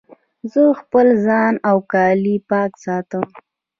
زه خپل ځان او کالي پاک ساتم.